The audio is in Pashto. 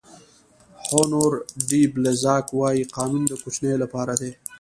هونور ډي بلزاک وایي قانون د کوچنیو لپاره دی.